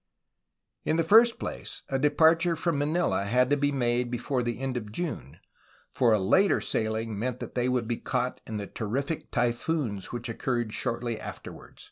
In the first place, a departure from Manila had to be made before the end of June, for a later sailing meant that they would be caught in the terrific typhoons which occurred shortly afterward.